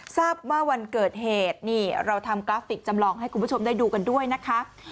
ทราบว่าวันเกิดเหตุนี่เราทำกราฟิกจำลองให้คุณผู้ชมได้ดูกันด้วยนะคะ